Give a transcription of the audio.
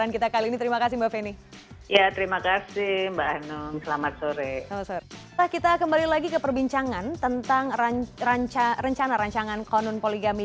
ngapain dia mau poligami